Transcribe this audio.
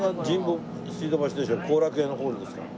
後楽園ホールですから。